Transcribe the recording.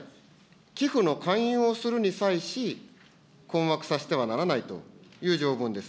寄付の勧誘をするに際し、困惑させてはならないという条文です。